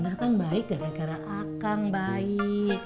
minah kan baik gara gara akang baik